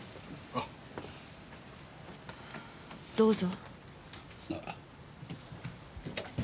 どうぞ。